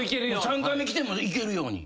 ３回目きても行けるように。